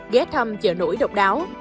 ghé thăm chợ nổi độc đáo